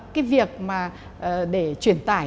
cái việc mà để chuyển tải